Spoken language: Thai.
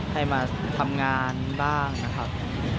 ให้มาทำงานบ้างนะครับ